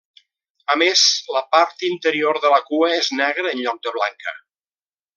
A més, la part interior de la cua és negra en lloc de blanca.